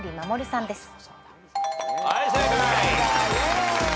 はい正解。